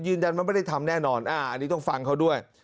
ยืนยันมันไม่ได้ทำแน่นอนอันนี้ต้องฟังเขาด้วย